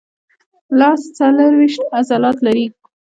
لاس څلورویشت عضلات لري.